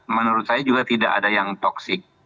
menurut saya juga tidak ada yang toksik